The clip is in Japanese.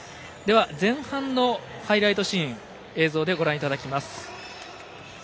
前半のハイライトシーンをご覧いただきます。